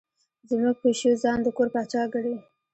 زموږ پیشو ځان د کور پاچا ګڼي.